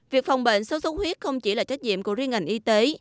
việc phòng bệnh sốt xuất huyết không chỉ là trách nhiệm của riêng ngành y tế